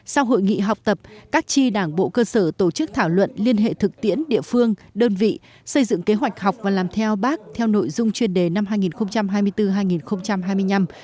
sau hội nghị học tập các tri đảng bộ cơ sở tổ chức thảo luận liên hệ thực tiễn địa phương đơn vị xây dựng kế hoạch học và làm theo bác theo nội dung chuyên đề năm hai nghìn hai mươi bốn hai nghìn hai mươi năm